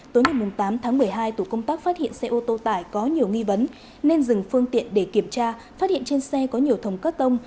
tối ngày tám tháng một mươi hai tổ công tác phát hiện xe ô tô tải có nhiều nghi vấn nên dừng phương tiện để kiểm tra phát hiện trên xe có nhiều thồng cắt tông